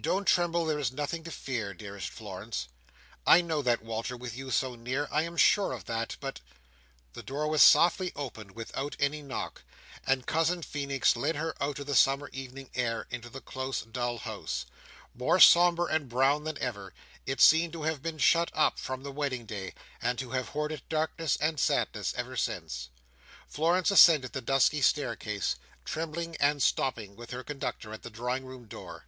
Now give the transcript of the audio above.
Don't tremble there is nothing to fear, dearest Florence." "I know that, Walter, with you so near. I am sure of that, but—" The door was softly opened, without any knock, and Cousin Feenix led her out of the summer evening air into the close dull house. More sombre and brown than ever, it seemed to have been shut up from the wedding day, and to have hoarded darkness and sadness ever since. Florence ascended the dusky staircase, trembling; and stopped, with her conductor, at the drawing room door.